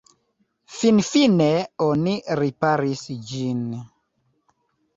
Finfine oni riparis ĝin.